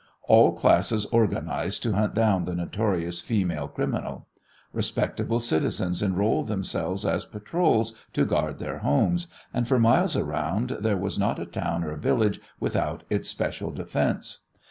All classes organized to hunt down the notorious female criminal. Respectable citizens enrolled themselves as patrols to guard their homes, and for miles around there was not a town or village without its special defence.